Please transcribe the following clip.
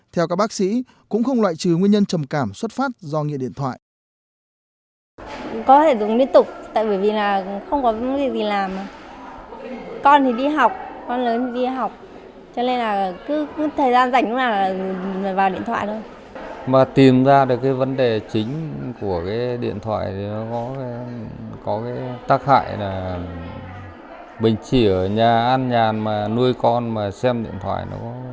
theo các bác sĩ cũng không loại trừ nguyên nhân trầm cảm xuất phát do nghiện điện thoại